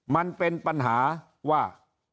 มันเป็นปัญหาว่า